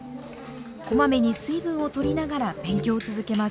こまめに水分をとりながら勉強を続けます。